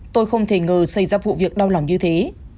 tôi không thể ngờ xây ra vụ việc đau lòng như thế